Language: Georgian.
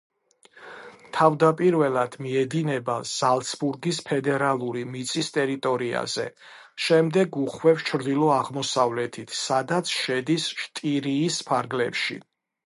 თავდაპირველად მიედინება ზალცბურგის ფედერალური მიწის ტერიტორიაზე, შემდეგ უხვევს ჩრდილო-აღმოსავლეთით, სადაც შედის შტირიის ფარგლებში.